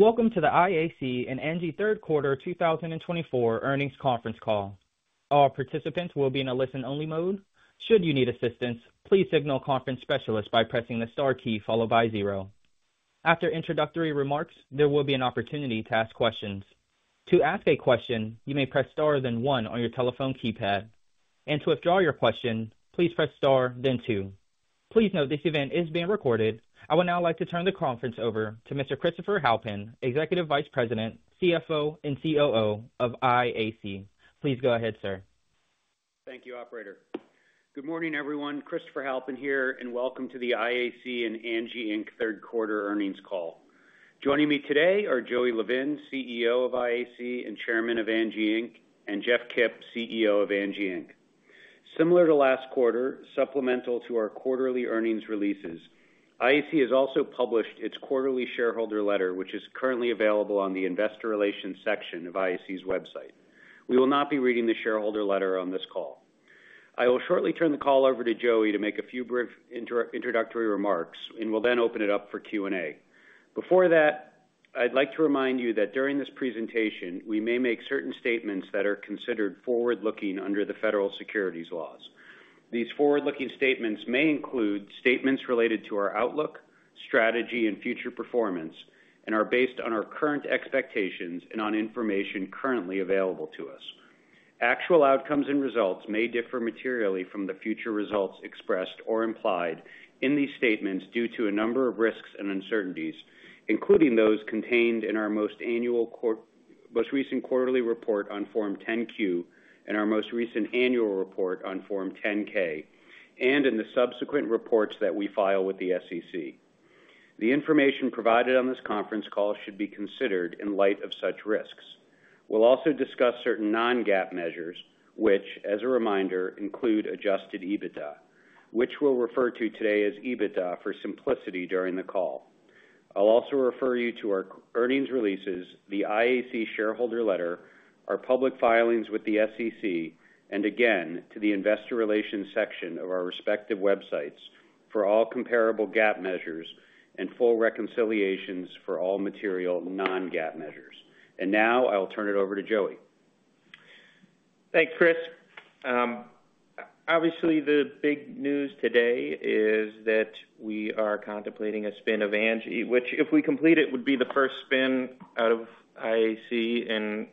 Welcome to the IAC and Angi Third Quarter 2024 earnings conference call. All participants will be in a listen-only mode. Should you need assistance, please signal conference specialist by pressing the star key followed by zero. After introductory remarks, there will be an opportunity to ask questions. To ask a question, you may press star then one on your telephone keypad, and to withdraw your question, please press star then two. Please note this event is being recorded. I would now like to turn the conference over to Mr. Christopher Halpin, Executive Vice President, CFO, and COO of IAC. Please go ahead, sir. Thank you, Operator. Good morning, everyone. Christopher Halpin here, and welcome to the IAC and Angi Inc. Third Quarter earnings call. Joining me today are Joey Levin, CEO of IAC and Chairman of Angi Inc., and Jeff Kip, CEO of Angi Inc. Similar to last quarter, supplemental to our quarterly earnings releases, IAC has also published its quarterly shareholder letter, which is currently available on the investor relations section of IAC's website. We will not be reading the shareholder letter on this call. I will shortly turn the call over to Joey to make a few brief introductory remarks and will then open it up for Q&A. Before that, I'd like to remind you that during this presentation, we may make certain statements that are considered forward-looking under the federal securities laws. These forward-looking statements may include statements related to our outlook, strategy, and future performance, and are based on our current expectations and on information currently available to us. Actual outcomes and results may differ materially from the future results expressed or implied in these statements due to a number of risks and uncertainties, including those contained in our most recent quarterly report on Form 10-Q and our most recent annual report on Form 10-K, and in the subsequent reports that we file with the SEC. The information provided on this conference call should be considered in light of such risks. We'll also discuss certain non-GAAP measures, which, as a reminder, include adjusted EBITDA, which we'll refer to today as EBITDA for simplicity during the call. I'll also refer you to our earnings releases, the IAC shareholder letter, our public filings with the SEC, and again, to the investor relations section of our respective websites for all comparable GAAP measures and full reconciliations for all material non-GAAP measures. And now I'll turn it over to Joey. Thanks, Chris. Obviously, the big news today is that we are contemplating a spin of Angi, which, if we complete it, would be the first spin out of IAC in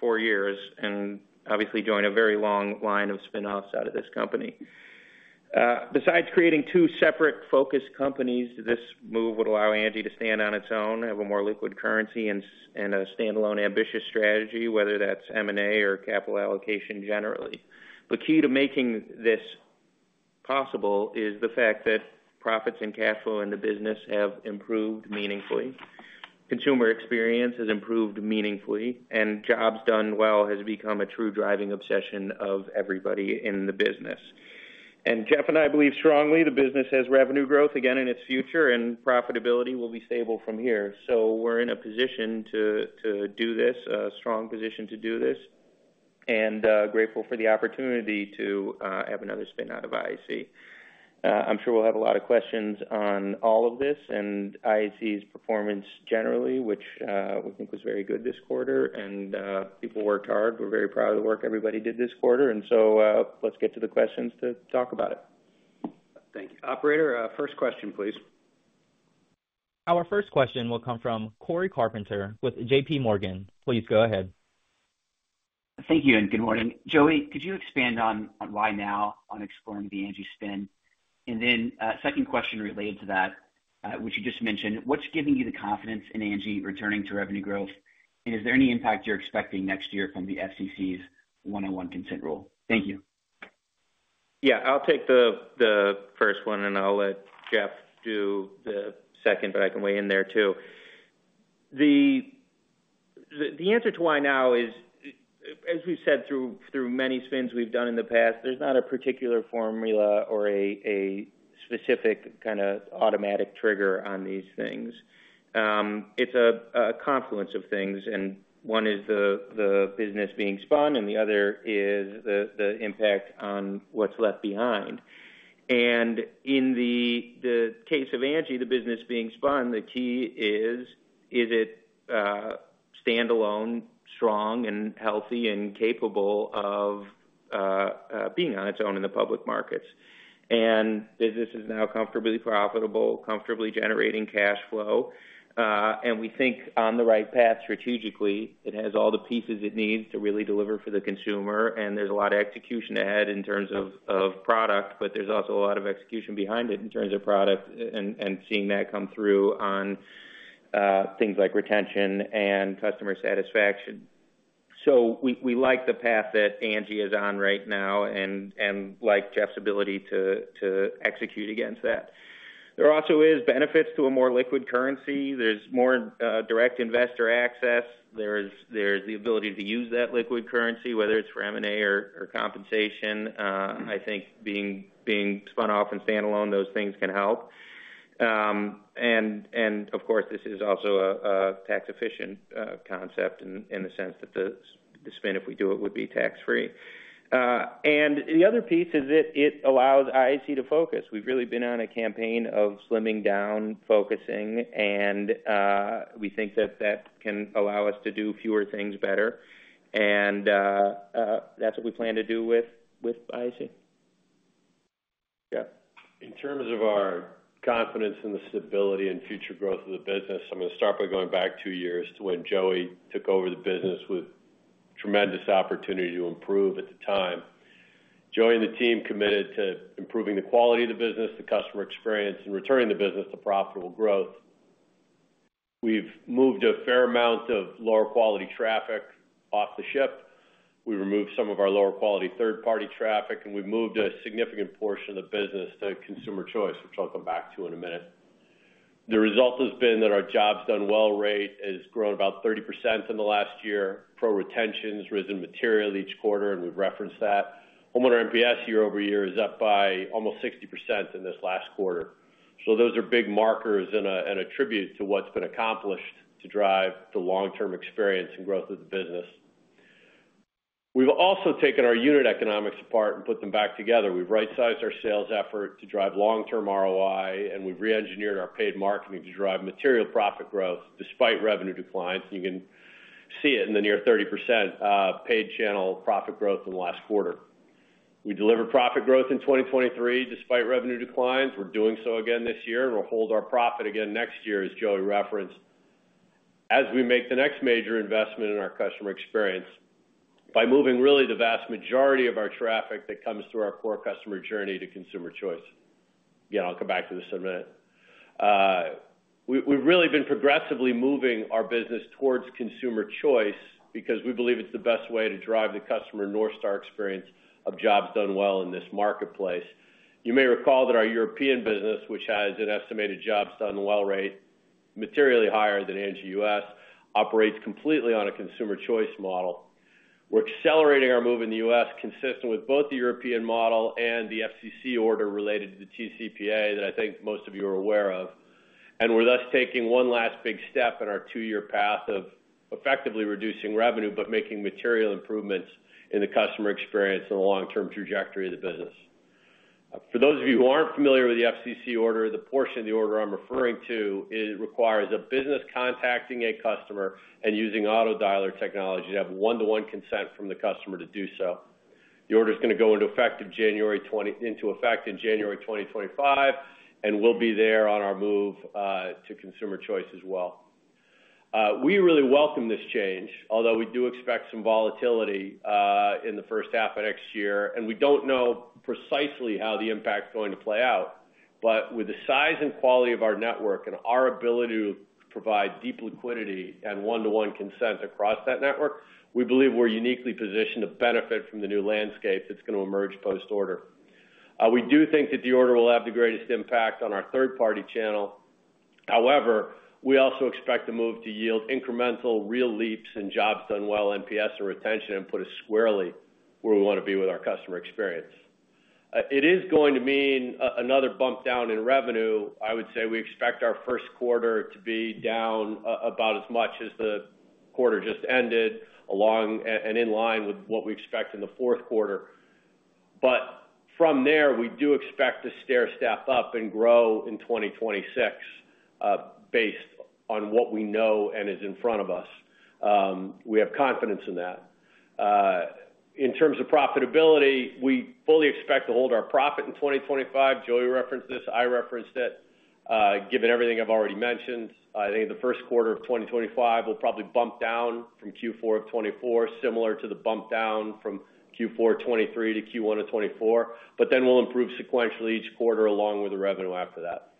four years and obviously join a very long line of spinoffs out of this company. Besides creating two separate focus companies, this move would allow Angi to stand on its own, have a more liquid currency, and a standalone ambitious strategy, whether that's M&A or capital allocation generally. The key to making this possible is the fact that profits and cash flow in the business have improved meaningfully. Consumer experience has improved meaningfully, and Jobs Done Well have become a true driving obsession of everybody in the business. And Jeff and I believe strongly the business has revenue growth again in its future, and profitability will be stable from here. So we're in a position to do this, a strong position to do this, and grateful for the opportunity to have another spin out of IAC. I'm sure we'll have a lot of questions on all of this and IAC's performance generally, which we think was very good this quarter. And people worked hard. We're very proud of the work everybody did this quarter. And so let's get to the questions to talk about it. Thank you. Operator, first question, please. Our first question will come from Cory Carpenter with JPMorgan. Please go ahead. Thank you and good morning. Joey, could you expand on why now on exploring the Angi spin? And then second question related to that, which you just mentioned, what's giving you the confidence in Angi returning to revenue growth? And is there any impact you're expecting next year from the FCC's one-to-one consent rule? Thank you. Yeah, I'll take the first one, and I'll let Jeff do the second, but I can weigh in there too. The answer to why now is, as we've said, through many spins we've done in the past, there's not a particular formula or a specific kind of automatic trigger on these things. It's a confluence of things. And one is the business being spun, and the other is the impact on what's left behind. And in the case of Angi, the business being spun, the key is, is it standalone, strong, and healthy, and capable of being on its own in the public markets? And business is now comfortably profitable, comfortably generating cash flow. And we think on the right path strategically, it has all the pieces it needs to really deliver for the consumer. And there's a lot of execution ahead in terms of product, but there's also a lot of execution behind it in terms of product and seeing that come through on things like retention and customer satisfaction. So we like the path that Angi is on right now and like Jeff's ability to execute against that. There also are benefits to a more liquid currency. There's more direct investor access. There's the ability to use that liquid currency, whether it's for M&A or compensation. I think being spun off and standalone, those things can help. And of course, this is also a tax-efficient concept in the sense that the spin, if we do it, would be tax-free. And the other piece is that it allows IAC to focus. We've really been on a campaign of slimming down, focusing, and we think that that can allow us to do fewer things better. That's what we plan to do with IAC. Yeah. In terms of our confidence in the stability and future growth of the business, I'm going to start by going back two years to when Joey took over the business with tremendous opportunity to improve at the time. Joey and the team committed to improving the quality of the business, the customer experience, and returning the business to profitable growth. We've moved a fair amount of lower quality traffic off the ship. We removed some of our lower quality third-party traffic, and we've moved a significant portion of the business to consumer choice, which I'll come back to in a minute. The result has been that our jobs done well rate has grown about 30% in the last year. Pro retention has risen materially each quarter, and we've referenced that. Homeowner NPS year over year is up by almost 60% in this last quarter. So those are big markers and a tribute to what's been accomplished to drive the long-term experience and growth of the business. We've also taken our unit economics apart and put them back together. We've right-sized our sales effort to drive long-term ROI, and we've re-engineered our paid marketing to drive material profit growth despite revenue declines. You can see it in the near 30% paid channel profit growth in the last quarter. We delivered profit growth in 2023 despite revenue declines. We're doing so again this year, and we'll hold our profit again next year, as Joey referenced, as we make the next major investment in our customer experience by moving really the vast majority of our traffic that comes through our core customer journey to consumer choice. Again, I'll come back to this in a minute. We've really been progressively moving our business towards consumer choice because we believe it's the best way to drive the customer North Star experience of jobs done well in this marketplace. You may recall that our European business, which has an estimated jobs done well rate materially higher than Angi U.S., operates completely on a consumer choice model. We're accelerating our move in the U.S. consistent with both the European model and the FCC order related to the TCPA that I think most of you are aware of, and we're thus taking one last big step in our two-year path of effectively reducing revenue, but making material improvements in the customer experience and the long-term trajectory of the business. For those of you who aren't familiar with the FCC order, the portion of the order I'm referring to requires a business contacting a customer and using autodialer technology to have one-to-one consent from the customer to do so. The order is going to go into effect in January 2025, and we'll be there on our move to consumer choice as well. We really welcome this change, although we do expect some volatility in the first half of next year, and we don't know precisely how the impact is going to play out, but with the size and quality of our network and our ability to provide deep liquidity and one-to-one consent across that network, we believe we're uniquely positioned to benefit from the new landscape that's going to emerge post-order. We do think that the order will have the greatest impact on our third-party channel. However, we also expect the move to yield incremental real leaps in Jobs Done Well, NPS, and retention input squarely where we want to be with our customer experience. It is going to mean another bump down in revenue. I would say we expect our first quarter to be down about as much as the quarter just ended, along and in line with what we expect in the fourth quarter. But from there, we do expect to stair step up and grow in 2026 based on what we know and is in front of us. We have confidence in that. In terms of profitability, we fully expect to hold our profit in 2025. Joey referenced this. I referenced it. Given everything I've already mentioned, I think the first quarter of 2025 will probably bump down from Q4 of 2024, similar to the bump down from Q4 of 2023 to Q1 of 2024, but then we'll improve sequentially each quarter along with the revenue after that.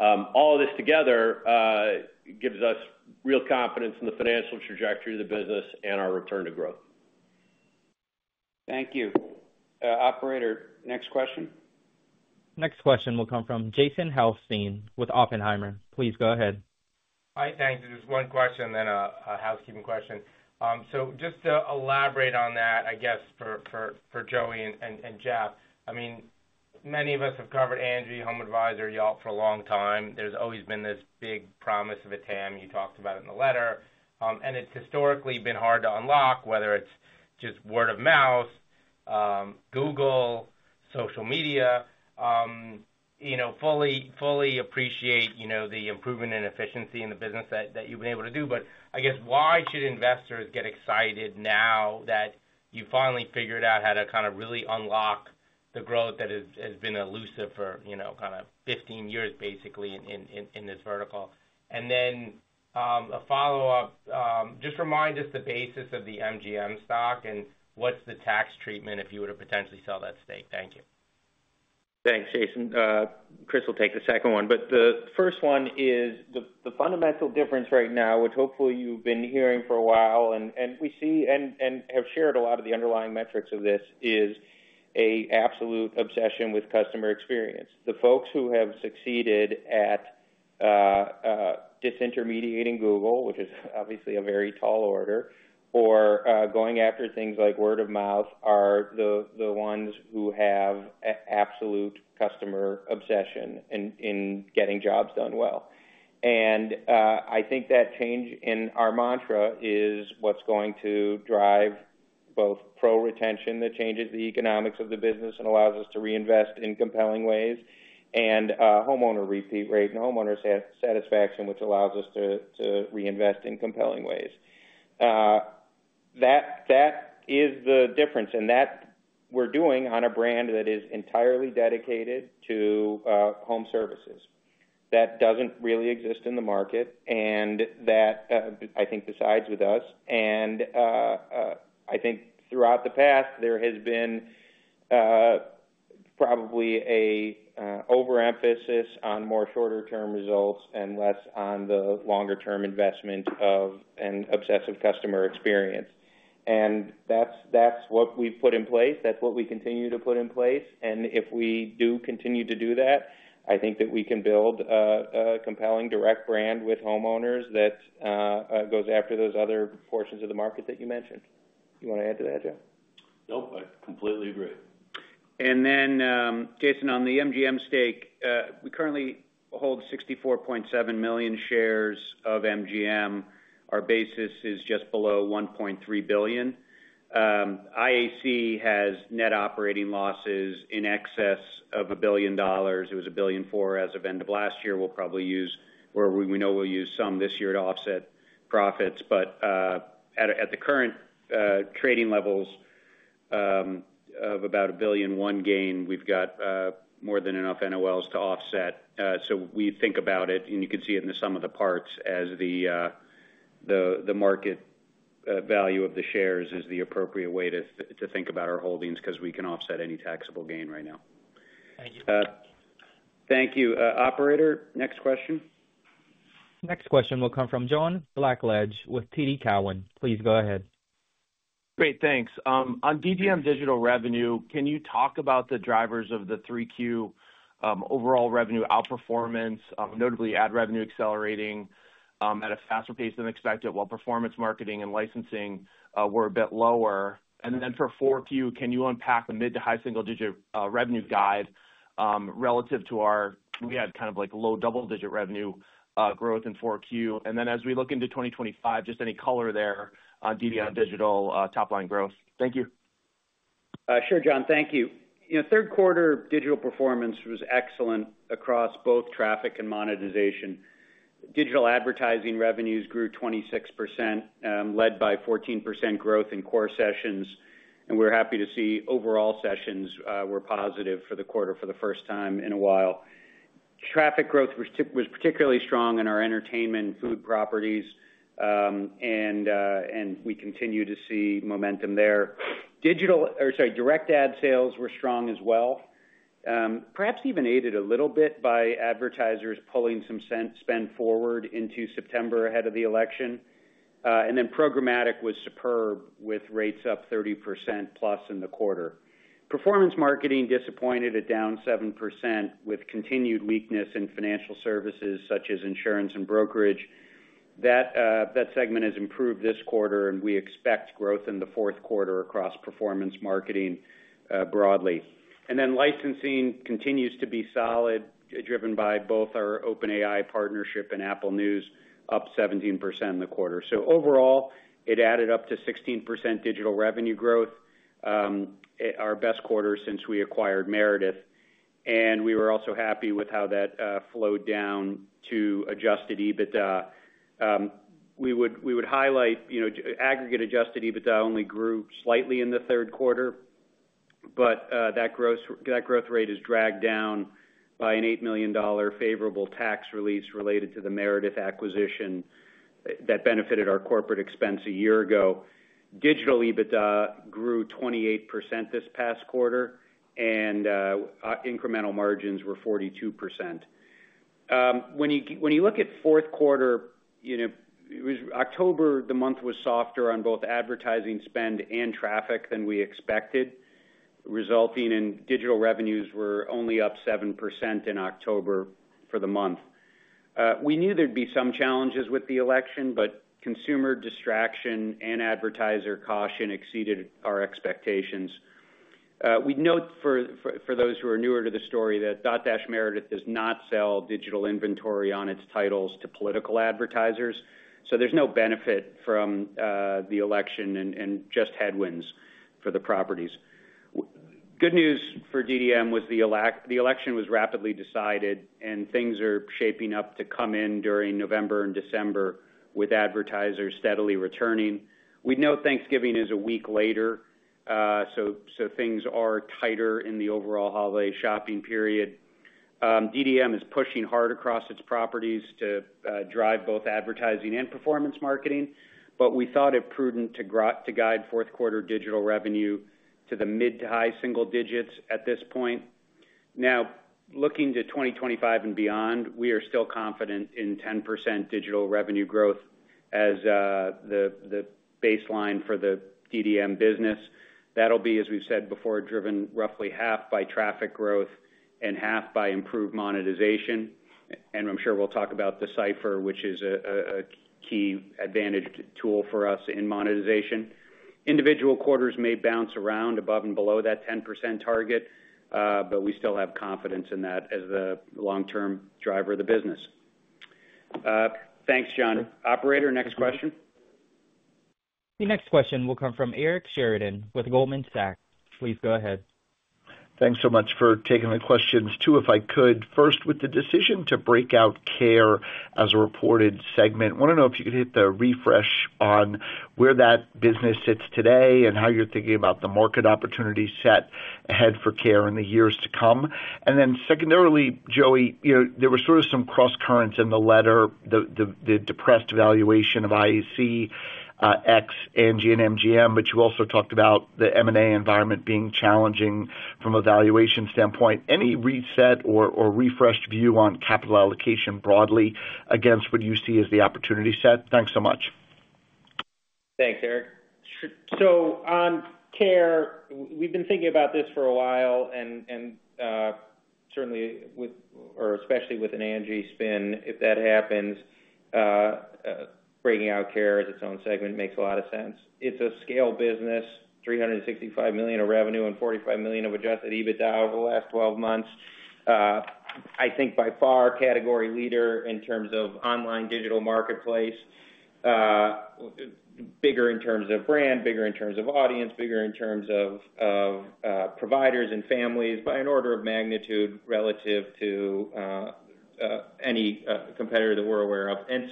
All of this together gives us real confidence in the financial trajectory of the business and our return to growth. Thank you. Operator, next question. Next question will come from Jason Helfstein with Oppenheimer. Please go ahead. Hi, thanks. Just one question and then a housekeeping question. So just to elaborate on that, I guess for Joey and Jeff, I mean, many of us have covered Angi, HomeAdvisor, y'all for a long time. There's always been this big promise of a TAM. You talked about it in the letter. And it's historically been hard to unlock, whether it's just word of mouth, Google, social media. Fully appreciate the improvement in efficiency in the business that you've been able to do. But I guess why should investors get excited now that you finally figured out how to kind of really unlock the growth that has been elusive for kind of 15 years, basically, in this vertical? And then a follow-up, just remind us the basis of the MGM stock and what's the tax treatment if you were to potentially sell that stake. Thank you. Thanks, Jason. Chris will take the second one. But the first one is the fundamental difference right now, which hopefully you've been hearing for a while, and we see and have shared a lot of the underlying metrics of this, is an absolute obsession with customer experience. The folks who have succeeded at disintermediating Google, which is obviously a very tall order, or going after things like word of mouth, are the ones who have absolute customer obsession in getting jobs done well. And I think that change in our mantra is what's going to drive both pro retention that changes the economics of the business and allows us to reinvest in compelling ways, and homeowner repeat rate and homeowner satisfaction, which allows us to reinvest in compelling ways. That is the difference. And that we're doing on a brand that is entirely dedicated to home services. That doesn't really exist in the market, and that I think differentiates us. I think throughout the past, there has been probably an overemphasis on more shorter-term results and less on the longer-term investment of an obsessive customer experience. That's what we've put in place. That's what we continue to put in place. If we do continue to do that, I think that we can build a compelling direct brand with homeowners that goes after those other portions of the market that you mentioned. You want to add to that, Jeff? Nope, I completely agree. And then, Jason, on the MGM stake, we currently hold 64.7 million shares of MGM. Our basis is just below $1.3 billion. IAC has net operating losses in excess of $1 billion. It was $1.4 billion as of end of last year. We'll probably use, or we know we'll use some this year to offset profits. But at the current trading levels of about a $1.1 billion gain, we've got more than enough NOLs to offset. So we think about it, and you can see it in the sum of the parts as the market value of the shares is the appropriate way to think about our holdings because we can offset any taxable gain right now. Thank you. Thank you. Operator, next question. Next question will come from John Blackledge with TD Cowen. Please go ahead. Great, thanks. On DDM digital revenue, can you talk about the drivers of the 3Q overall revenue outperformance, notably ad revenue accelerating at a faster pace than expected, while performance marketing and licensing were a bit lower? And then for 4Q, can you unpack the mid to high single-digit revenue guide relative to what we had kind of like low double-digit revenue growth in 4Q? And then as we look into 2025, just any color there on DDM digital top-line growth. Thank you. Sure, John, thank you. Third quarter digital performance was excellent across both traffic and monetization. Digital advertising revenues grew 26%, led by 14% growth in core sessions, and we're happy to see overall sessions were positive for the quarter for the first time in a while. Traffic growth was particularly strong in our entertainment and food properties, and we continue to see momentum there. Digital or sorry, direct ad sales were strong as well. Perhaps even aided a little bit by advertisers pulling some spend forward into September ahead of the election, and then programmatic was superb with rates up 30% plus in the quarter. Performance marketing disappointed at down 7% with continued weakness in financial services such as insurance and brokerage. That segment has improved this quarter, and we expect growth in the fourth quarter across performance marketing broadly. And then licensing continues to be solid, driven by both our OpenAI partnership and Apple News, up 17% in the quarter. So overall, it added up to 16% digital revenue growth, our best quarter since we acquired Meredith. And we were also happy with how that flowed down to adjusted EBITDA. We would highlight aggregate adjusted EBITDA only grew slightly in the third quarter, but that growth rate is dragged down by an $8 million favorable tax release related to the Meredith acquisition that benefited our corporate expense a year ago. Digital EBITDA grew 28% this past quarter, and incremental margins were 42%. When you look at fourth quarter, it was October. The month was softer on both advertising spend and traffic than we expected, resulting in digital revenues were only up 7% in October for the month. We knew there'd be some challenges with the election, but consumer distraction and advertiser caution exceeded our expectations. We'd note for those who are newer to the story that Dotdash Meredith does not sell digital inventory on its titles to political advertisers. So there's no benefit from the election and just headwinds for the properties. Good news for DDM was the election was rapidly decided, and things are shaping up to come in during November and December with advertisers steadily returning. We'd note Thanksgiving is a week later, so things are tighter in the overall holiday shopping period. DDM is pushing hard across its properties to drive both advertising and performance marketing, but we thought it prudent to guide fourth quarter digital revenue to the mid to high single digits at this point. Now, looking to 2025 and beyond, we are still confident in 10% digital revenue growth as the baseline for the DDM business. That'll be, as we've said before, driven roughly half by traffic growth and half by improved monetization. And I'm sure we'll talk about the Decipher, which is a key advantage tool for us in monetization. Individual quarters may bounce around above and below that 10% target, but we still have confidence in that as the long-term driver of the business. Thanks, John. Operator, next question. The next question will come from Eric Sheridan with Goldman Sachs. Please go ahead. Thanks so much for taking the questions. Too, if I could, first with the decision to break out Care as a reported segment. I want to know if you could hit the refresh on where that business sits today and how you're thinking about the market opportunity set ahead for Care in the years to come. And then secondarily, Joey, there were sort of some cross currents in the letter, the depressed valuation of IAC ex Angi, and MGM, but you also talked about the M&A environment being challenging from a valuation standpoint. Any reset or refreshed view on capital allocation broadly against what you see as the opportunity set? Thanks so much. Thanks, Eric. So on Care, we've been thinking about this for a while and certainly with, or especially with an Angi spin, if that happens, breaking out Care as its own segment makes a lot of sense. It's a scale business, $365 million of revenue and $45 million of Adjusted EBITDA over the last 12 months. I think by far category leader in terms of online digital marketplace, bigger in terms of brand, bigger in terms of audience, bigger in terms of providers and families by an order of magnitude relative to any competitor that we're aware of. And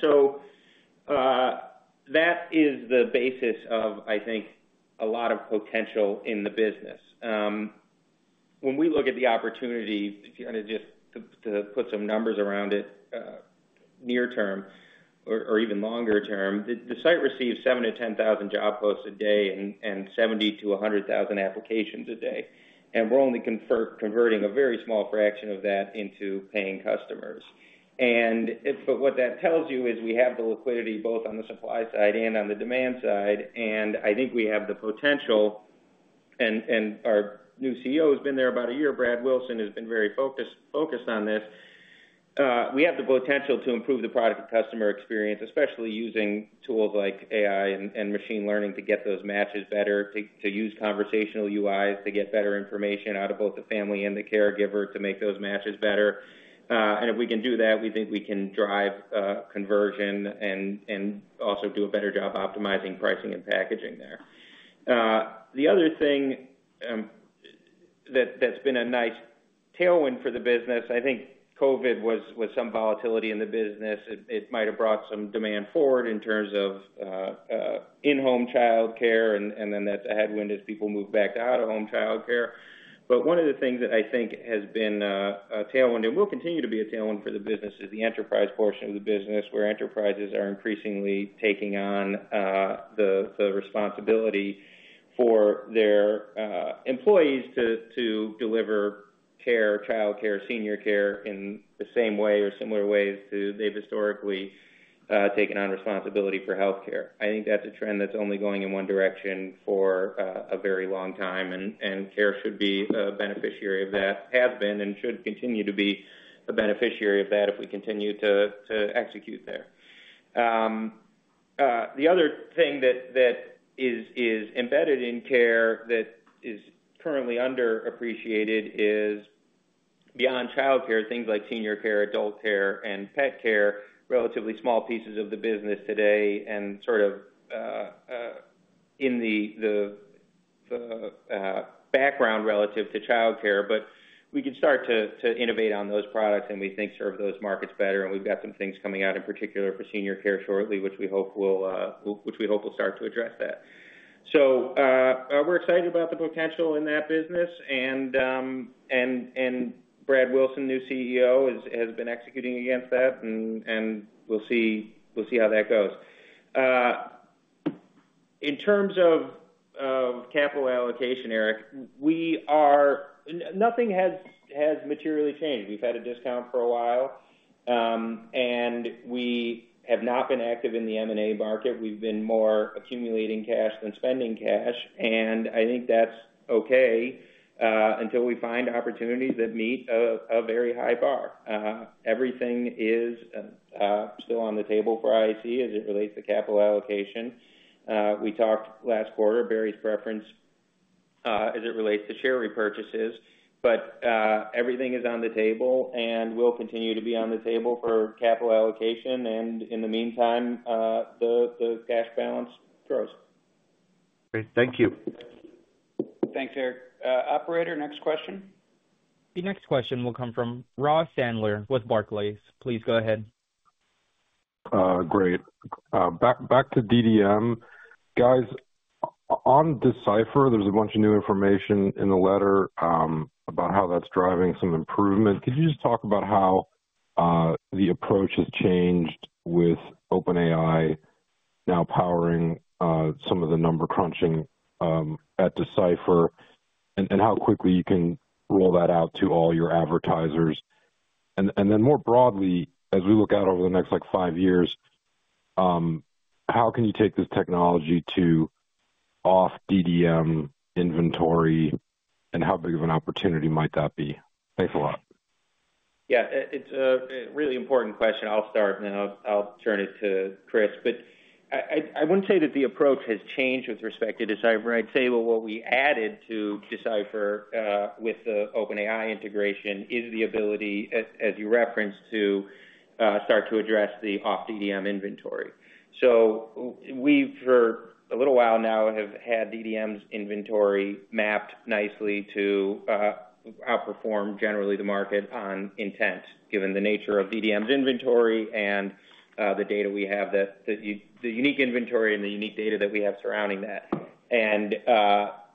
so that is the basis of, I think, a lot of potential in the business. When we look at the opportunity, to just put some numbers around it, near-term or even longer-term, the site receives seven to 10,000 job posts a day and 70,000-100,000 applications a day, and we're only converting a very small fraction of that into paying customers, and what that tells you is we have the liquidity both on the supply side and on the demand side, and I think we have the potential, and our new CEO has been there about a year, Brad Wilson, has been very focused on this. We have the potential to improve the product and customer experience, especially using tools like AI and machine learning to get those matches better, to use conversational UIs to get better information out of both the family and the caregiver to make those matches better. And if we can do that, we think we can drive conversion and also do a better job optimizing pricing and packaging there. The other thing that's been a nice tailwind for the business, I think COVID was some volatility in the business. It might have brought some demand forward in terms of in-home childcare, and then that's a headwind as people move back to out-of-home childcare. But one of the things that I think has been a tailwind, and will continue to be a tailwind for the business, is the enterprise portion of the business where enterprises are increasingly taking on the responsibility for their employees to deliver care, childcare, senior care in the same way or similar ways to they've historically taken on responsibility for healthcare. I think that's a trend that's only going in one direction for a very long time, and Care should be a beneficiary of that, has been and should continue to be a beneficiary of that if we continue to execute there. The other thing that is embedded in Care that is currently underappreciated is beyond childcare, things like senior care, adult care, and pet care, relatively small pieces of the business today and sort of in the background relative to childcare. But we can start to innovate on those products, and we think serve those markets better. And we've got some things coming out in particular for senior care shortly, which we hope will start to address that. So we're excited about the potential in that business. And Brad Wilson, new CEO, has been executing against that, and we'll see how that goes.In terms of capital allocation, Eric, nothing has materially changed. We've had a discount for a while, and we have not been active in the M&A market. We've been more accumulating cash than spending cash. And I think that's okay until we find opportunities that meet a very high bar. Everything is still on the table for IAC as it relates to capital allocation. We talked last quarter, Barry's preference as it relates to share repurchases, but everything is on the table and will continue to be on the table for capital allocation. And in the meantime, the cash balance grows. Great, thank you. Thanks, Eric. Operator, next question. The next question will come from Ross Sandler with Barclays. Please go ahead. Great. Back to DDM. Guys, on Decipher, there's a bunch of new information in the letter about how that's driving some improvement. Could you just talk about how the approach has changed with OpenAI now powering some of the number crunching at Decipher and how quickly you can roll that out to all your advertisers? And then more broadly, as we look out over the next five years, how can you take this technology to off-DDM inventory and how big of an opportunity might that be? Thanks a lot. Yeah, it's a really important question. I'll start, and then I'll turn it to Chris. But I wouldn't say that the approach has changed with respect to Decipher. I'd say what we added to Decipher with the OpenAI integration is the ability, as you referenced, to start to address the off-DDM inventory. So we've, for a little while now, had DDM's inventory mapped nicely to outperform generally the market on intent, given the nature of DDM's inventory and the data we have, the unique inventory and the unique data that we have surrounding that. And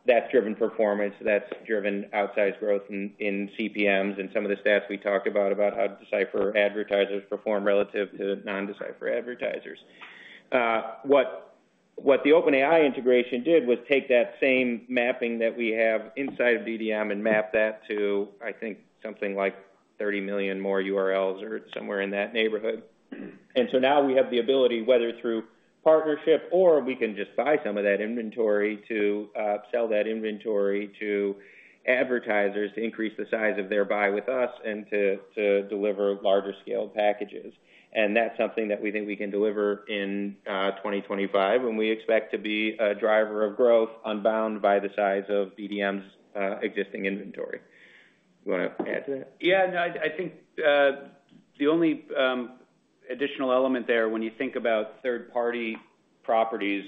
that's driven performance. That's driven outsized growth in CPMs and some of the stats we talked about, about how Decipher advertisers perform relative to non-Decipher advertisers. What the OpenAI integration did was take that same mapping that we have inside of DDM and map that to, I think, something like 30 million more URLs or somewhere in that neighborhood. And so now we have the ability, whether through partnership or we can just buy some of that inventory to sell that inventory to advertisers to increase the size of their buy with us and to deliver larger scale packages. And that's something that we think we can deliver in 2025, and we expect to be a driver of growth unbound by the size of DDM's existing inventory. You want to add to that? Yeah, no, I think the only additional element there, when you think about third-party properties,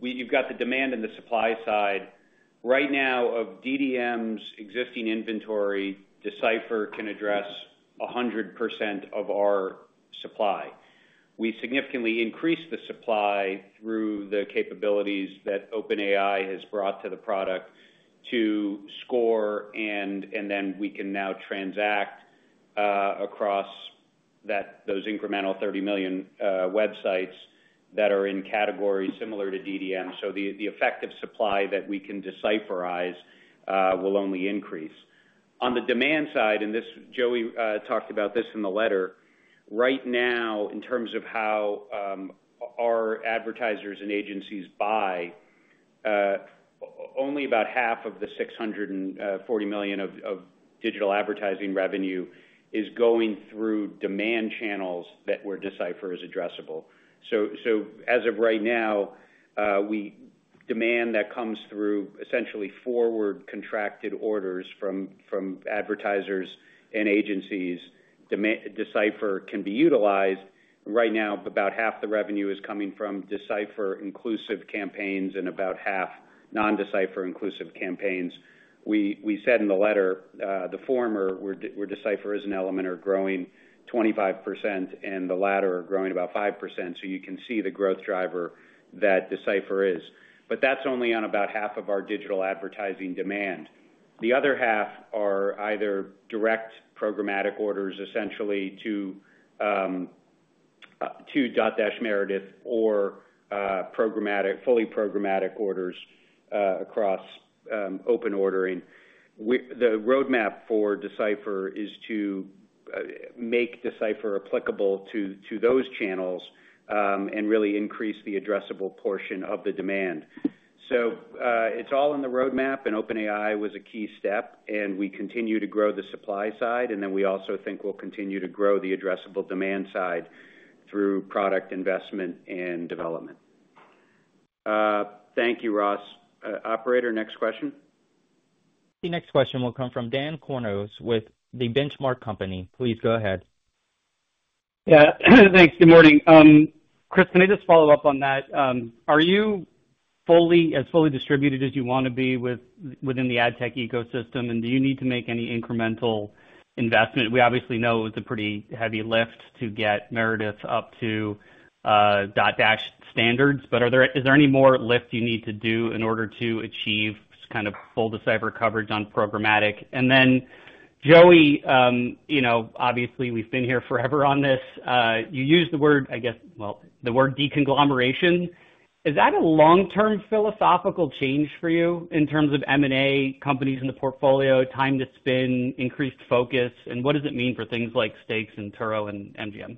you've got the demand and the supply side. Right now, of DDM's existing inventory, Decipher can address 100% of our supply. We significantly increased the supply through the capabilities that OpenAI has brought to the product to score, and then we can now transact across those incremental 30 million websites that are in categories similar to DDM. So the effective supply that we can decipherize will only increase. On the demand side, and Joey, I talked about this in the letter. Right now, in terms of how our advertisers and agencies buy, only about half of the $640 million of digital advertising revenue is going through demand channels where Decipher is addressable. So as of right now, demand that comes through essentially forward contracted orders from advertisers and agencies, Decipher can be utilized. Right now, about half the revenue is coming from Decipher-inclusive campaigns and about half non-Decipher-inclusive campaigns. We said in the letter, the former, where Decipher is an element, are growing 25%, and the latter are growing about 5%. So you can see the growth driver that Decipher is. But that's only on about half of our digital advertising demand. The other half are either direct programmatic orders, essentially to Dotdash Meredith or fully programmatic orders across open ordering. The roadmap for Decipher is to make Decipher applicable to those channels and really increase the addressable portion of the demand. So it's all in the roadmap, and OpenAI was a key step, and we continue to grow the supply side, and then we also think we'll continue to grow the addressable demand side through product investment and development. Thank you, Ross. Operator, next question. The next question will come from Dan Kurnos with The Benchmark Company. Please go ahead. Yeah, thanks. Good morning. Chris, can I just follow up on that? Are you as fully distributed as you want to be within the ad tech ecosystem, and do you need to make any incremental investment? We obviously know it was a pretty heavy lift to get Meredith up to dot-standards, but is there any more lift you need to do in order to achieve kind of full Decipher coverage on programmatic? And then, Joey, obviously, we've been here forever on this. You used the word, I guess, well, the word de-conglomeration. Is that a long-term philosophical change for you in terms of M&A companies in the portfolio, time to spin, increased focus, and what does it mean for things like stakes and Turo and MGM?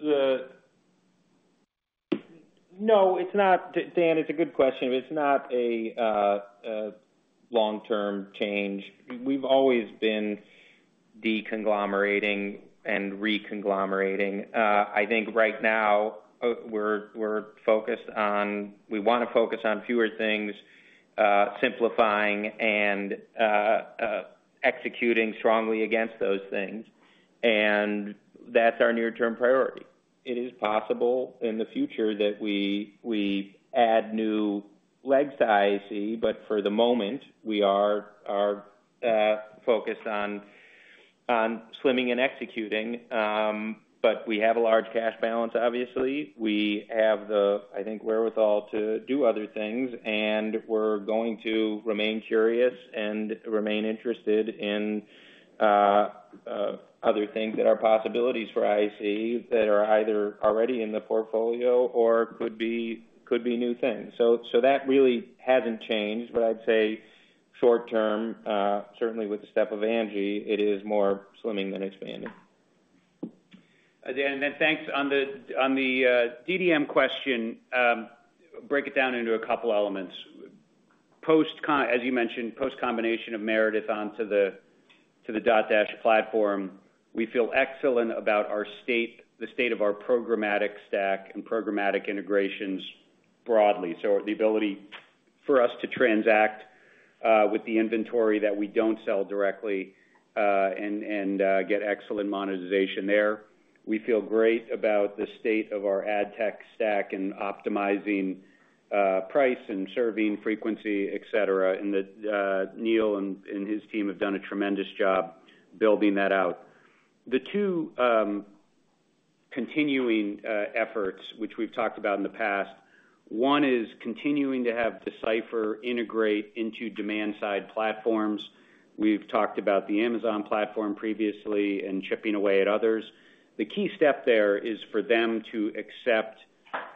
Thanks. Sure. No, it's not, Dan. It's a good question. It's not a long-term change. We've always been de-conglomerating and re-conglomerating. I think right now, we're focused on. We want to focus on fewer things, simplifying and executing strongly against those things. And that's our near-term priority. It is possible in the future that we add new legs to IAC, but for the moment, we are focused on swimming and executing. But we have a large cash balance, obviously. We have the, I think, wherewithal to do other things, and we're going to remain curious and remain interested in other things that are possibilities for IAC that are either already in the portfolio or could be new things. So that really hasn't changed, but I'd say short-term, certainly with the spin-off of Angi, it is more swimming than expanding. Dan, and then thanks. On the DDM question, break it down into a couple of elements. As you mentioned, post-combination of Meredith onto the Dotdash platform, we feel excellent about the state of our programmatic stack and programmatic integrations broadly. So the ability for us to transact with the inventory that we don't sell directly and get excellent monetization there. We feel great about the state of our ad tech stack and optimizing price and serving frequency, etc., and Neil and his team have done a tremendous job building that out. The two continuing efforts, which we've talked about in the past, one is continuing to have Decipher integrate into demand-side platforms. We've talked about the Amazon platform previously and chipping away at others. The key step there is for them to accept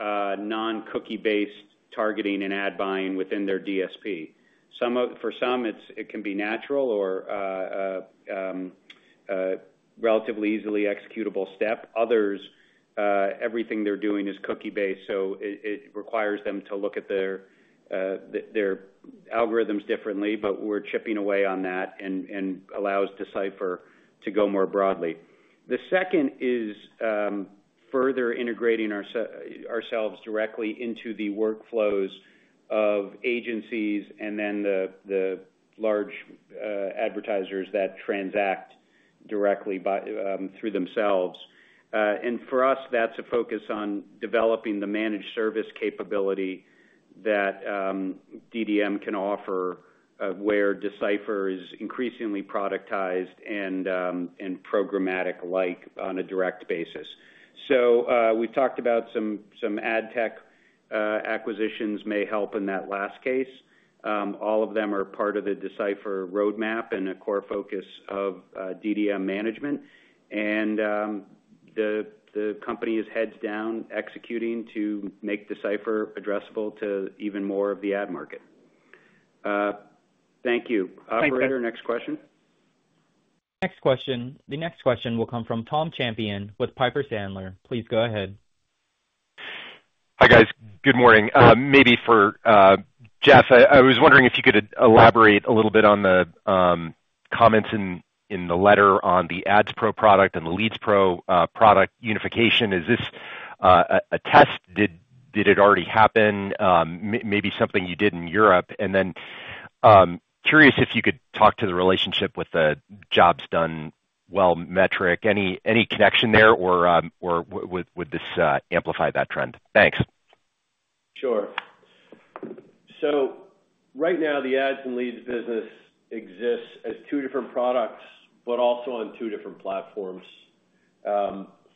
non-cookie-based targeting and ad buying within their DSP. For some, it can be natural or a relatively easily executable step. Others, everything they're doing is cookie-based, so it requires them to look at their algorithms differently, but we're chipping away on that and allows Decipher to go more broadly. The second is further integrating ourselves directly into the workflows of agencies and then the large advertisers that transact directly through themselves. And for us, that's a focus on developing the managed service capability that DDM can offer where Decipher is increasingly productized and programmatic-like on a direct basis. So we've talked about some ad tech acquisitions may help in that last case. All of them are part of the Decipher roadmap and a core focus of DDM management. And the company is heads down executing to make Decipher addressable to even more of the ad market. Thank you. Operator, next question. Next question. The next question will come from Tom Champion with Piper Sandler. Please go ahead. Hi guys. Good morning. Maybe for Jeff, I was wondering if you could elaborate a little bit on the comments in the letter on the Ads Pro product and the Leads Pro product unification. Is this a test? Did it already happen? Maybe something you did in Europe? And then curious if you could talk to the relationship with the Jobs Done Well metric. Any connection there or would this amplify that trend? Thanks. Sure. So right now, the ads and leads business exists as two different products, but also on two different platforms.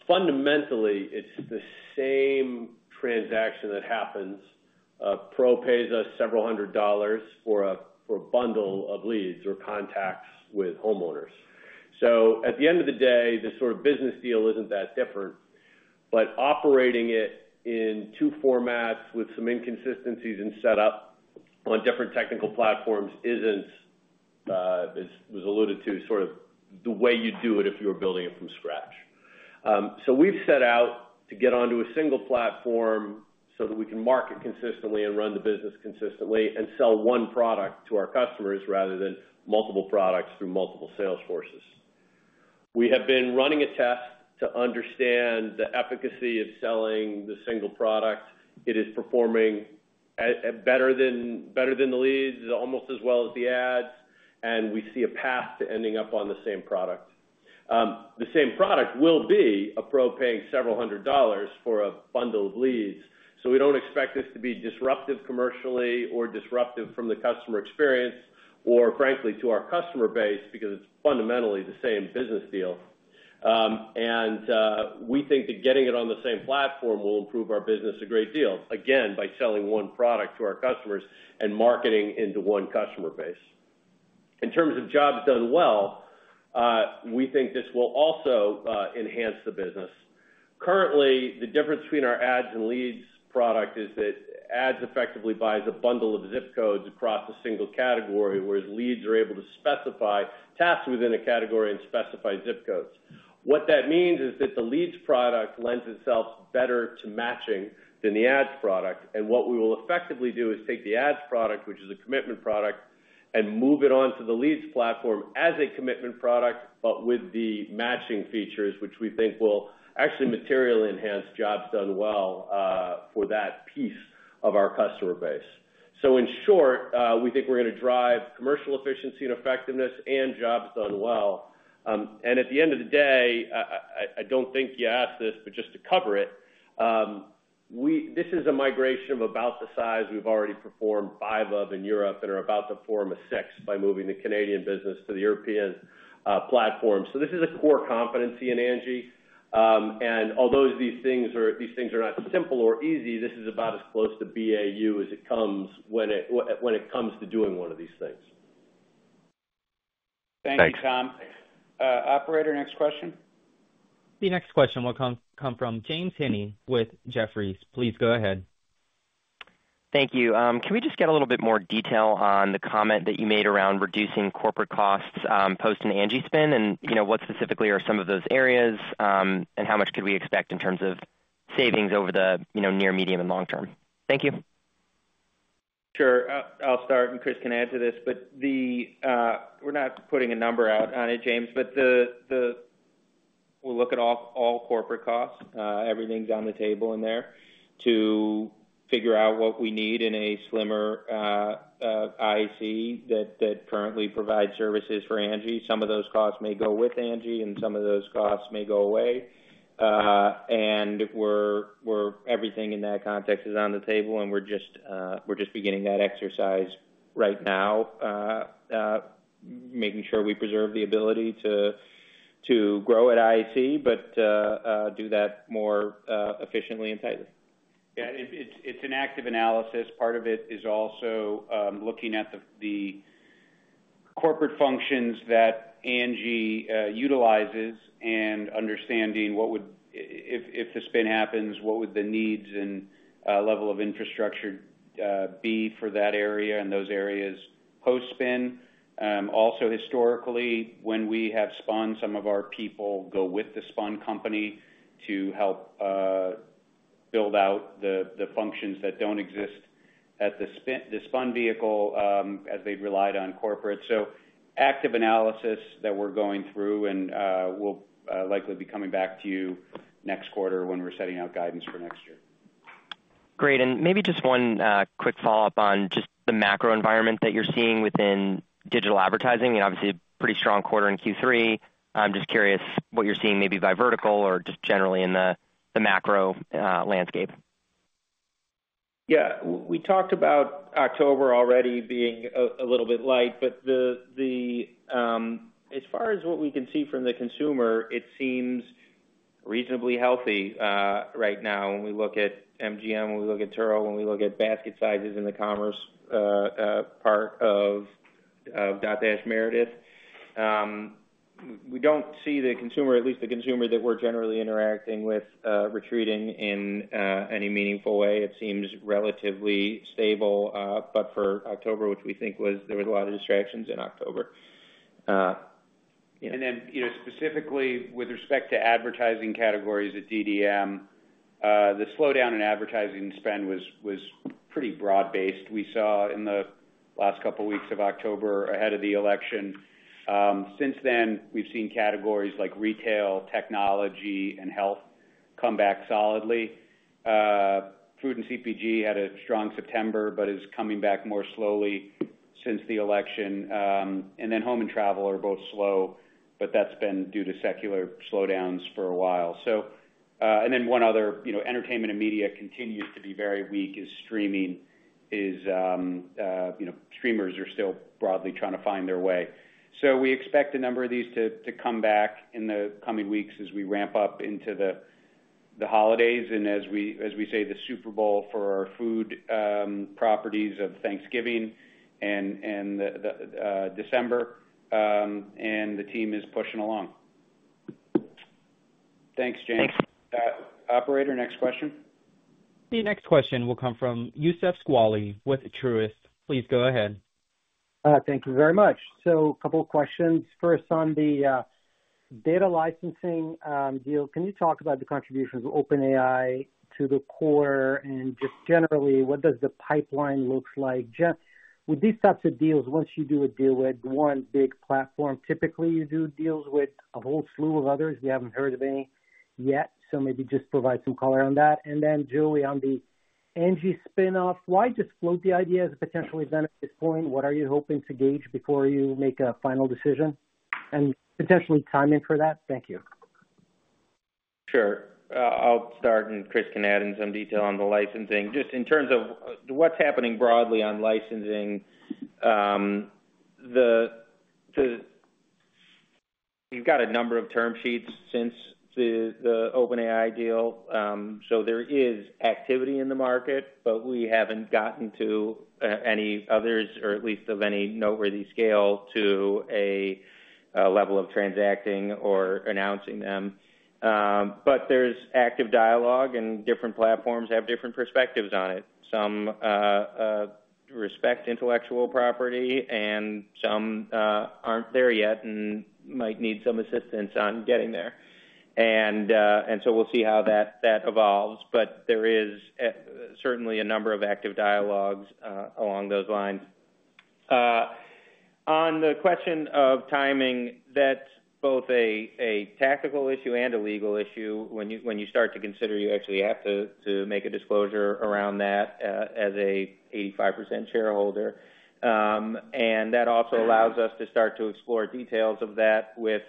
Fundamentally, it's the same transaction that happens. Pro pays us several hundred dollars for a bundle of leads or contacts with homeowners. So at the end of the day, the sort of business deal isn't that different, but operating it in two formats with some inconsistencies in setup on different technical platforms isn't, as was alluded to, sort of the way you'd do it if you were building it from scratch. So we've set out to get onto a single platform so that we can market consistently and run the business consistently and sell one product to our customers rather than multiple products through multiple sales forces. We have been running a test to understand the efficacy of selling the single product.It is performing better than the leads, almost as well as the ads, and we see a path to ending up on the same product. The same product will be a pro paying several hundred dollars for a bundle of leads, so we don't expect this to be disruptive commercially or disruptive from the customer experience or, frankly, to our customer base because it's fundamentally the same business deal, and we think that getting it on the same platform will improve our business a great deal, again, by selling one product to our customers and marketing into one customer base. In terms of jobs done well, we think this will also enhance the business. Currently, the difference between our ads and leads product is that ads effectively buys a bundle of zip codes across a single category, whereas leads are able to specify tasks within a category and specify zip codes. What that means is that the leads product lends itself better to matching than the ads product. And what we will effectively do is take the ads product, which is a commitment product, and move it on to the leads platform as a commitment product, but with the matching features, which we think will actually materially enhance Jobs Done Well for that piece of our customer base. So in short, we think we're going to drive commercial efficiency and effectiveness and Jobs Done Well. At the end of the day, I don't think you asked this, but just to cover it, this is a migration of about the size we've already performed five of in Europe and are about to perform the sixth by moving the Canadian business to the European platform. This is a core competency in Angi. Although these things are not simple or easy, this is about as close to BAU as it comes when it comes to doing one of these things. Thanks, Tom. Operator, next question. The next question will come from James Heaney with Jefferies. Please go ahead. Thank you. Can we just get a little bit more detail on the comment that you made around reducing corporate costs post-Angi spin and what specifically are some of those areas and how much could we expect in terms of savings over the near, medium, and long term? Thank you. Sure. I'll start, and Chris can add to this, but we're not putting a number out on it, James, but we'll look at all corporate costs. Everything's on the table in there to figure out what we need in a slimmer IAC that currently provides services for Angi. Some of those costs may go with Angi, and some of those costs may go away. And everything in that context is on the table, and we're just beginning that exercise right now, making sure we preserve the ability to grow at IAC, but do that more efficiently and tightly. Yeah, it's an active analysis. Part of it is also looking at the corporate functions that Angi utilizes and understanding if the spin happens, what would the needs and level of infrastructure be for that area and those areas post-spin. Also, historically, when we have spun, some of our people go with the spun company to help build out the functions that don't exist at the spun vehicle as they relied on corporate, so active analysis that we're going through and will likely be coming back to you next quarter when we're setting out guidance for next year. Great. And maybe just one quick follow-up on just the macro environment that you're seeing within digital advertising. Obviously, pretty strong quarter in Q3. I'm just curious what you're seeing maybe by vertical or just generally in the macro landscape? Yeah. We talked about October already being a little bit light, but as far as what we can see from the consumer, it seems reasonably healthy right now. When we look at MGM, when we look at Turo, when we look at basket sizes in the commerce part of Dotdash Meredith, we don't see the consumer, at least the consumer that we're generally interacting with, retreating in any meaningful way. It seems relatively stable, but for October, which we think there were a lot of distractions in October, and then specifically with respect to advertising categories at DDM, the slowdown in advertising spend was pretty broad-based. We saw in the last couple of weeks of October ahead of the election. Since then, we've seen categories like retail, technology, and health come back solidly. Food and CPG had a strong September but is coming back more slowly since the election. And then home and travel are both slow, but that's been due to secular slowdowns for a while. And then, one other entertainment and media continues to be very weak: streaming. Streamers are still broadly trying to find their way. So we expect a number of these to come back in the coming weeks as we ramp up into the holidays and, as we say, the Super Bowl for our food properties of Thanksgiving and December, and the team is pushing along. Thanks, James. Thanks. Operator, next question. The next question will come from Youssef Squali with Truist. Please go ahead. Thank you very much. So a couple of questions. First, on the data licensing deal, can you talk about the contributions of OpenAI to the core and just generally, what does the pipeline look like? Jeff, with these types of deals, once you do a deal with one big platform, typically you do deals with a whole slew of others. We haven't heard of any yet, so maybe just provide some color on that. And then Joey, on the Angi spin-off, why just float the idea as a potential event at this point? What are you hoping to gauge before you make a final decision and potentially time in for that? Thank you. Sure. I'll start, and Chris can add in some detail on the licensing. Just in terms of what's happening broadly on licensing, we've got a number of term sheets since the OpenAI deal. So there is activity in the market, but we haven't gotten to any others, or at least of any noteworthy scale, to a level of transacting or announcing them. But there's active dialogue, and different platforms have different perspectives on it. Some respect intellectual property, and some aren't there yet and might need some assistance on getting there. And so we'll see how that evolves, but there is certainly a number of active dialogues along those lines. On the question of timing, that's both a tactical issue and a legal issue. When you start to consider, you actually have to make a disclosure around that as an 85% shareholder. And that also allows us to start to explore details of that with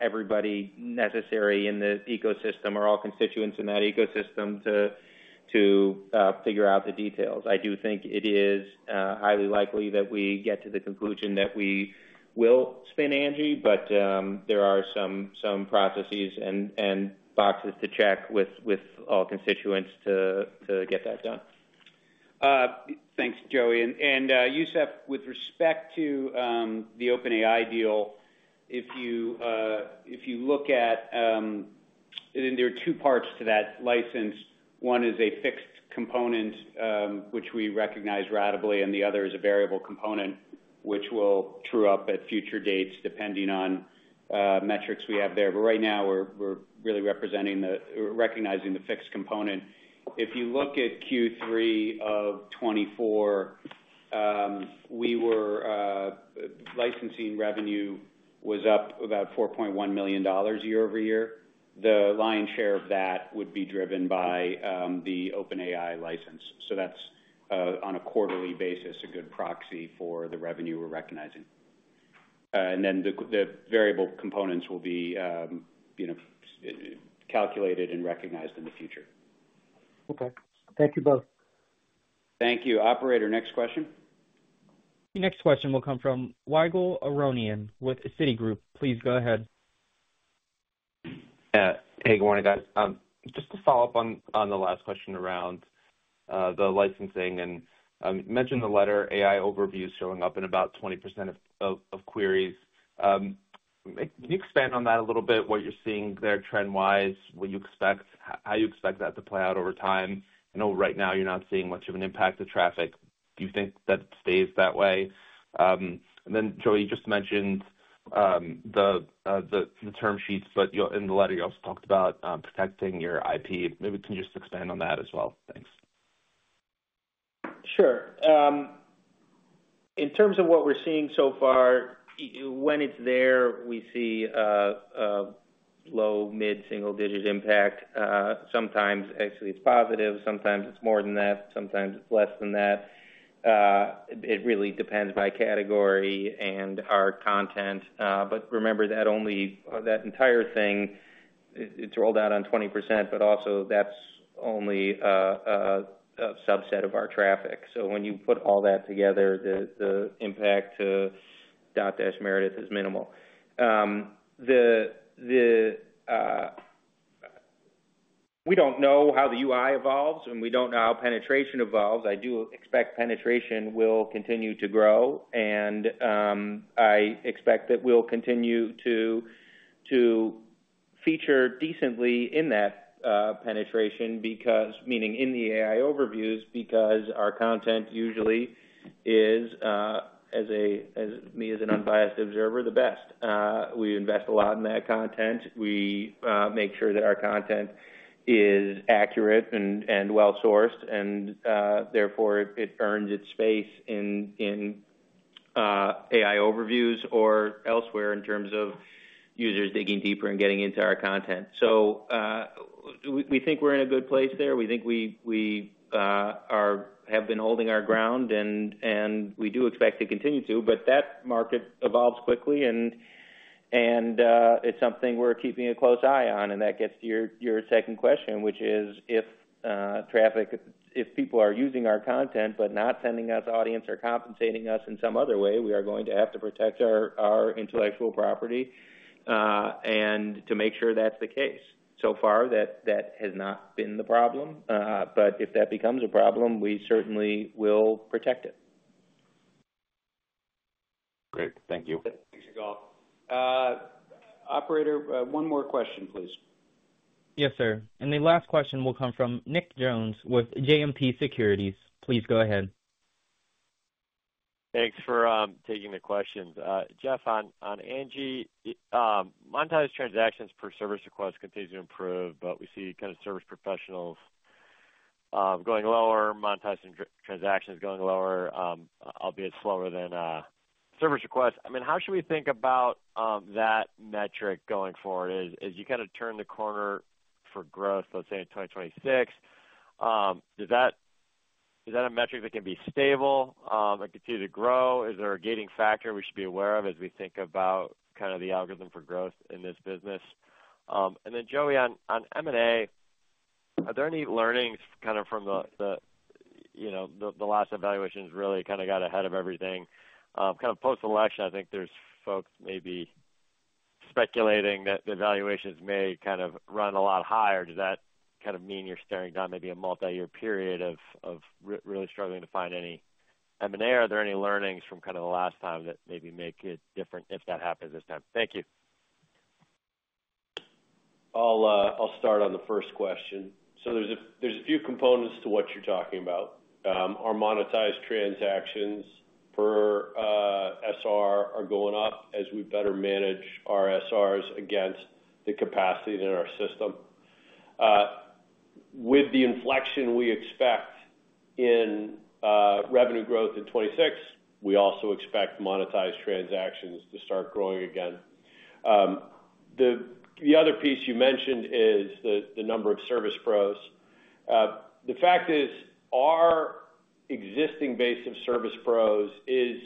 everybody necessary in the ecosystem or all constituents in that ecosystem to figure out the details. I do think it is highly likely that we get to the conclusion that we will spin Angi, but there are some processes and boxes to check with all constituents to get that done. Thanks, Joey. And Youssef, with respect to the OpenAI deal, if you look at, there are two parts to that license. One is a fixed component, which we recognize ratably, and the other is a variable component, which will true up at future dates depending on metrics we have there. But right now, we're really recognizing the fixed component. If you look at Q3 of 2024, licensing revenue was up about $4.1 million year over year. The lion's share of that would be driven by the OpenAI license. So that's, on a quarterly basis, a good proxy for the revenue we're recognizing. And then the variable components will be calculated and recognized in the future. Okay. Thank you both. Thank you. Operator, next question. The next question will come from Ygal Arounian with Citigroup. Please go ahead. Hey, good morning, guys. Just to follow up on the last question around the licensing, and you mentioned the Google AI overview is showing up in about 20% of queries. Can you expand on that a little bit, what you're seeing there trend-wise, how you expect that to play out over time? I know right now you're not seeing much of an impact of traffic. Do you think that stays that way? And then, Joey, you just mentioned the term sheets, but in the letter, you also talked about protecting your IP. Maybe can you just expand on that as well? Thanks. Sure.In terms of what we're seeing so far, when it's there, we see low, mid, single-digit impact. Sometimes, actually, it's positive. Sometimes it's more than that. Sometimes it's less than that. It really depends by category and our content. But remember that entire thing, it's rolled out on 20%, but also that's only a subset of our traffic. So when you put all that together, the impact to Dotdash Meredith is minimal. We don't know how the UI evolves, and we don't know how penetration evolves. I do expect penetration will continue to grow, and I expect that we'll continue to feature decently in that penetration, meaning in the AI overviews, because our content usually is, as me as an unbiased observer, the best. We invest a lot in that content. We make sure that our content is accurate and well-sourced, and therefore, it earns its space in AI overviews or elsewhere in terms of users digging deeper and getting into our content. So we think we're in a good place there. We think we have been holding our ground, and we do expect to continue to, but that market evolves quickly, and it's something we're keeping a close eye on. And that gets to your second question, which is if people are using our content but not sending us audience or compensating us in some other way, we are going to have to protect our intellectual property and to make sure that's the case. So far, that has not been the problem, but if that becomes a problem, we certainly will protect it. Great. Thank you. Thanks to you all. Operator, one more question, please. Yes, sir, and the last question will come from Nick Jones with JMP Securities. Please go ahead. Thanks for taking the questions. Jeff, on Angi, monetized transactions per service request continue to improve, but we see kind of service professionals going lower, monetized transactions going lower, albeit slower than service requests. I mean, how should we think about that metric going forward? As you kind of turn the corner for growth, let's say in 2026, is that a metric that can be stable and continue to grow? Is there a gating factor we should be aware of as we think about kind of the algorithm for growth in this business? And then, Joey, on M&A, are there any learnings kind of from the last valuations really kind of got ahead of everything? Kind of post-election, I think there's folks maybe speculating that the valuations may kind of run a lot higher. Does that kind of mean you're staring down maybe a multi-year period of really struggling to find any M&A? Are there any learnings from kind of the last time that maybe make it different if that happens this time? Thank you. I'll start on the first question. So there's a few components to what you're talking about. Our monetized transactions per SR are going up as we better manage our SRs against the capacity in our system. With the inflection we expect in revenue growth in 2026, we also expect monetized transactions to start growing again. The other piece you mentioned is the number of service pros. The fact is our existing base of service pros is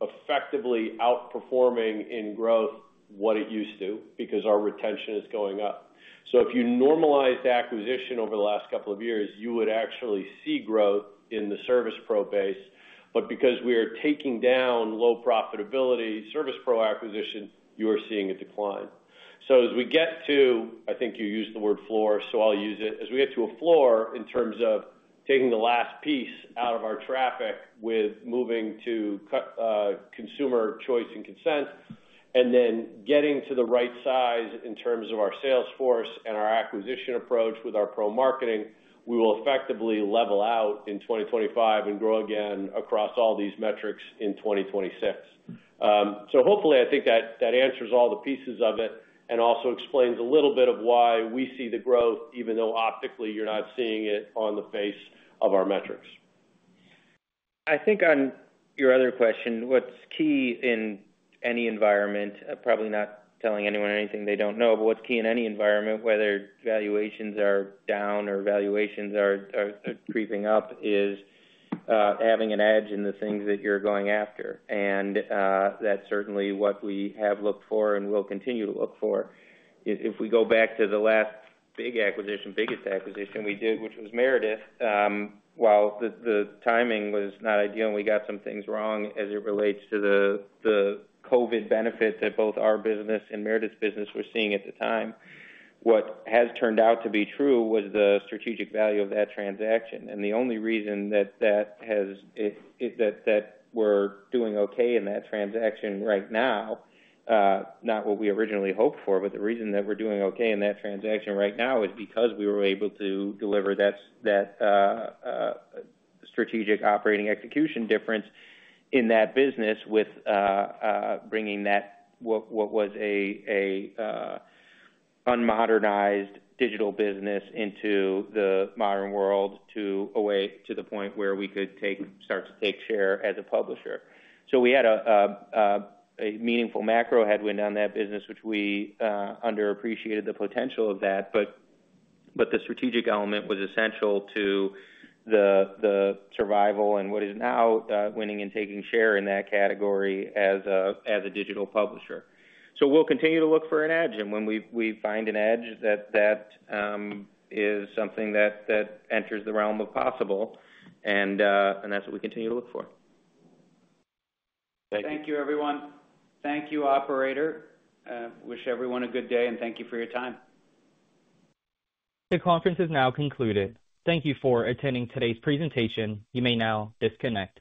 effectively outperforming in growth what it used to because our retention is going up. So if you normalize the acquisition over the last couple of years, you would actually see growth in the service pro base. But because we are taking down low profitability service pro acquisition, you are seeing a decline. So as we get to, I think you used the word floor, so I'll use it, as we get to a floor in terms of taking the last piece out of our traffic with moving to consumer choice and consent, and then getting to the right size in terms of our sales force and our acquisition approach with our pro marketing, we will effectively level out in 2025 and grow again across all these metrics in 2026. So hopefully, I think that answers all the pieces of it and also explains a little bit of why we see the growth, even though optically you're not seeing it on the face of our metrics. I think on your other question, what's key in any environment, probably not telling anyone anything they don't know, but what's key in any environment, whether valuations are down or valuations are creeping up, is having an edge in the things that you're going after, and that's certainly what we have looked for and will continue to look for. If we go back to the last big acquisition, biggest acquisition we did, which was Meredith, while the timing was not ideal and we got some things wrong as it relates to the COVID benefit that both our business and Meredith's business were seeing at the time, what has turned out to be true was the strategic value of that transaction. The only reason that we're doing okay in that transaction right now, not what we originally hoped for, but the reason that we're doing okay in that transaction right now is because we were able to deliver that strategic operating execution difference in that business with bringing what was an unmodernized digital business into the modern world to a point where we could start to take share as a publisher. We had a meaningful macro headwind on that business, which we underappreciated the potential of that, but the strategic element was essential to the survival and what is now winning and taking share in that category as a digital publisher. We'll continue to look for an edge, and when we find an edge, that is something that enters the realm of possible, and that's what we continue to look for. Thank you. Thank you, everyone. Thank you, Operator. Wish everyone a good day, and thank you for your time. The conference is now concluded. Thank you for attending today's presentation. You may now disconnect.